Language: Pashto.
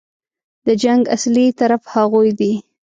د جنګ اصلي طرف هغوی دي.